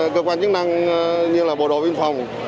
cơ quan chức năng như là bộ đội biên phòng